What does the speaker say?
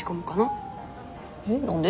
えっ何で？